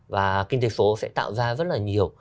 và kinh tế số sẽ tạo ra rất là nhiều